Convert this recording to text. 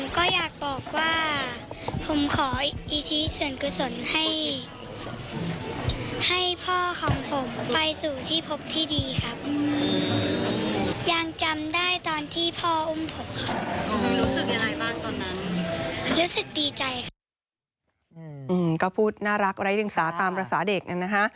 ก็พูดน่ารักไร้ศึกษาตามภาษาเด็กนั้นนะคะ